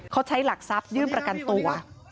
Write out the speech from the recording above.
เขาใช้หลักทรัพยื่นประกันตัว